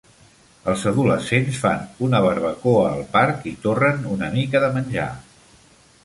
Els adolescents fan una barbacoa al parc i torren una mica de menjar.